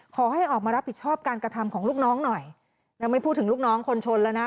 ขอให้ออกมารับผิดชอบการกระทำของลูกน้องหน่อยเราไม่พูดถึงลูกน้องคนชนแล้วนะ